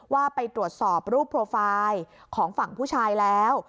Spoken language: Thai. ว่าไปตรวจสอบรูปโปรไฟล์ของฝั่งผู้ชายแล้ว